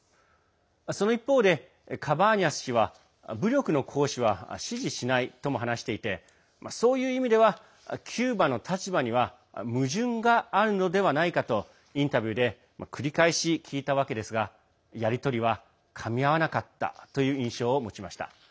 その一方で、カバーニャス氏は武力の行使は支持しないとも話していてそういう意味ではキューバの立場には矛盾があるのではないかとインタビューで繰り返し聞いたわけですがやり取りはかみ合わなかったという印象を持ちました。